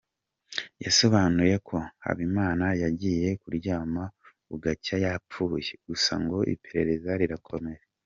Yasobanuye ko Habimana yagiye kuryama bugacya yapfuye, gusa ngo iperereza rirakomeje.